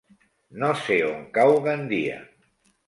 No sé on cau Gandia.